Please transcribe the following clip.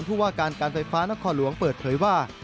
ผู้ว่าการการไฟฟ้านครหลวงเปิดเผยว่า